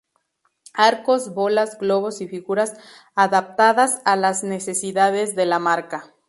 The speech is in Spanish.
Arcos, bolas, globos y figuras adaptadas a las necesidades de la marca.